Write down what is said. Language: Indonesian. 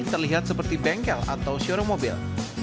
terlihat seperti bengkel atau siuromobil